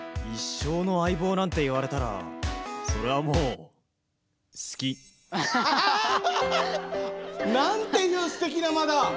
「一生の相棒」なんて言われたらそれはもうなんていうすてきな間だ。